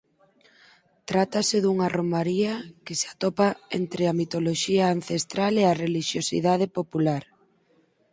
Trátase dunha romaría que se atopa entre a mitoloxía ancestral e a relixiosidade popular.